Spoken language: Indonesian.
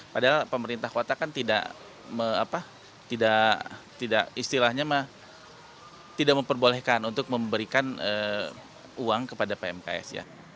padahal pemerintah kota kan tidak istilahnya tidak memperbolehkan untuk memberikan uang kepada pmks ya